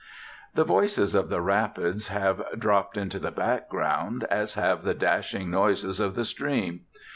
The voices of the rapids have dropped into the background, as have the dashing noises of the stream.